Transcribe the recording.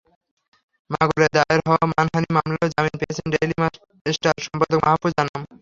মাগুরায় দায়ের হওয়া মানহানি মামলায়ও জামিন পেয়েছেন ডেইলি স্টার সম্পাদক মাহ্ফুজ আনাম।